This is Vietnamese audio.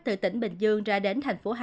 từ tỉnh bình dương ra đến thành phố hà